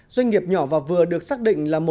xin chào và hẹn gặp lại